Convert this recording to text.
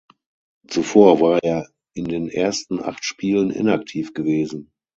Zuvor war er in den ersten acht Spielen inaktiv gewesen.